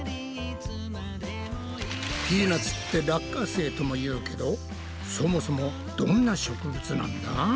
ピーナツって「落花生」とも言うけどそもそもどんな植物なんだ？